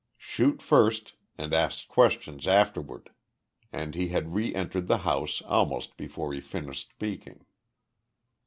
Shoot first and ask questions afterward!" and he had re entered the house almost before he finished speaking.